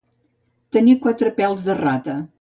Tenir quatre pèls de rata.